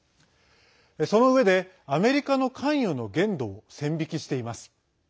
そのうえでアメリカの関与の限度を線引きしています。